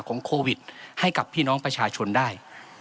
โควิดให้กับพี่น้องประชาชนได้